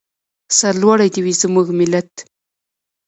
سرلوړی دې وي زموږ ملت.